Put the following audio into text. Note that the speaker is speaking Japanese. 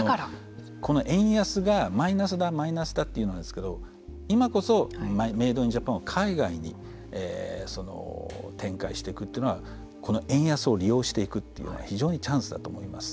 この円安がマイナスだマイナスだと言うんですけど今こそメード・イン・ジャパンを海外に展開していくというのはこの円安を利用していくというのは非常にチャンスだと思います。